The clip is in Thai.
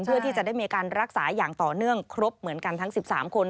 เพื่อที่จะได้มีการรักษาอย่างต่อเนื่องครบเหมือนกันทั้ง๑๓คน